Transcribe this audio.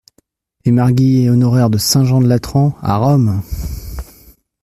Et marguillier honoraire de Saint-Jean-de-Latran… à Rome !